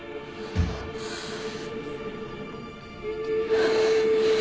はあ。